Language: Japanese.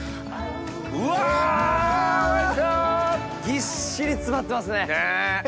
ぎっしり詰まってますね。